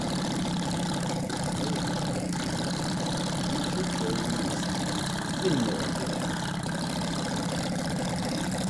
He later graduated from the teacher training institute in Modra.